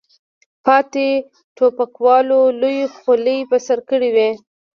پاتې ټوپکوالو لویې خولۍ په سر کړې وې.